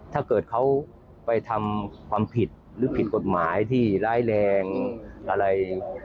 ถ้าเกิดเขาไปทำความผิดหรือผิดกฎหมายที่ร้ายแรงอะไร